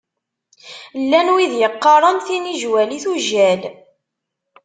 Llan wid yeqqaṛen tinijwal i tujjal.